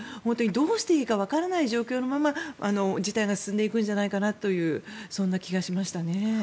どうしていいかわからない状況のまま事態が進んでいくんじゃないかという、そんな気がしました。